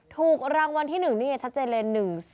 ถูกรางวัลที่๑นี่ชัดเจนเลย